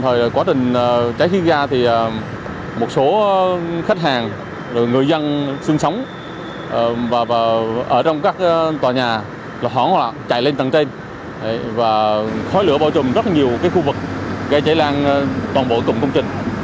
trên trái khí ga thì một số khách hàng người dân sương sóng ở trong các tòa nhà họ chạy lên tầng trên và khói lửa bỏ trùm rất nhiều khu vực gây chảy lan toàn bộ cụm công trình